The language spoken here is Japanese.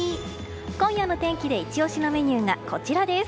今夜の天気でイチ押しのメニューがこちらです。